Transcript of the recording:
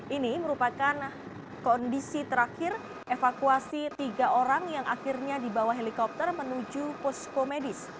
ini merupakan kondisi terakhir evakuasi tiga orang yang akhirnya dibawa helikopter menuju posko medis